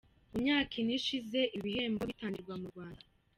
Mu myaka ine ishize ibi bihembo bitangirwa mu Rwanda